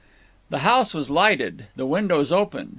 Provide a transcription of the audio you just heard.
The house was lighted, the windows open.